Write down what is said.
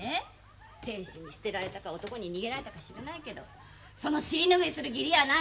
亭主に捨てられたか男に逃げられたか知らないけどその尻ぬぐいする義理はないんだよ。